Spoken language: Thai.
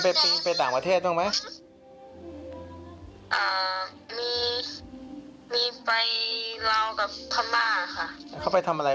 อ๋อมีมีไปราวกับธรรมาค่ะเขาไปทำอะไร